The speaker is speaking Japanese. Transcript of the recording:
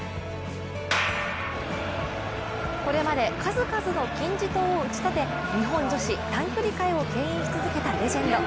これまで数々の金字塔を打ちたて、日本女子短距離界をけん引し続けたレジェンド。